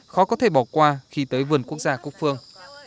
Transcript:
khó có thể bỏ qua khi tới vườn quốc gia cúc phương